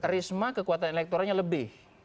risma kekuatan elektoralnya lebih